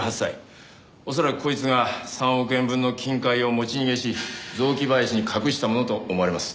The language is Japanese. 恐らくこいつが３億円分の金塊を持ち逃げし雑木林に隠したものと思われます。